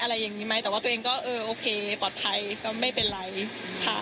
อะไรอย่างนี้ไหมแต่ว่าตัวเองก็เออโอเคปลอดภัยก็ไม่เป็นไรค่ะ